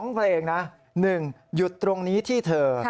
๒เพลงนะ๑หยุดตรงนี้ที่เธอ